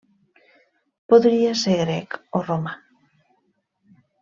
Podria ser grec o romà.